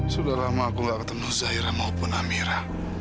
sudah lama aku gak ketemu zaira maupun amira